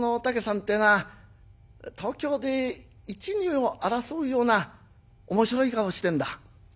ってえのは東京で一二を争うような面白い顔をしてんだ」。